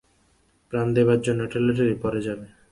প্রাণ দেবার জন্যে ঠেলাঠেলি পড়ে যাবে।